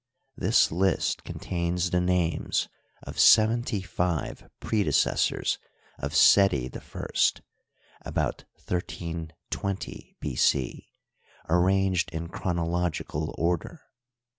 This list contains the names of seventy five predecessors of Seti I (about 1320 B. c), arranged in chronological order.